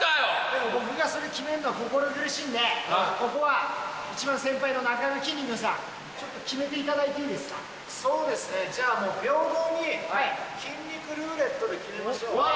僕がそれ、決めんのは心苦しいんで、ここは、一番先輩の中山きんに君さん、ちょっと決めていただいていいでそうですね、じゃあ、もう平等に、筋肉ルーレットで決めましょう。